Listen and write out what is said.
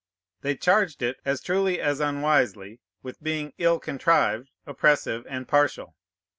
They charged it, as truly as unwisely, with being ill contrived, oppressive, and partial.